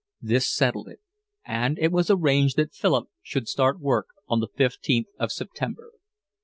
This settled it, and it was arranged that Philip should start work on the fifteenth of September.